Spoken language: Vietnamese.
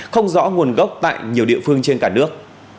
không rõ nguồn gốc tại nhiều địa phương trên cả nước